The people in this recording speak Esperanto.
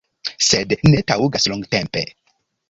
Sed ne taŭgas longtempe.